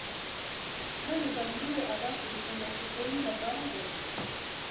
دا د ځانګړو اهدافو د ترلاسه کولو لپاره دی.